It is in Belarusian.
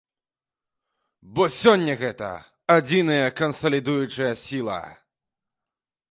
Бо сёння гэта адзіная кансалідуючая сіла.